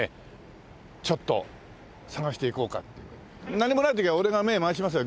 何もない時は俺が目回しますよ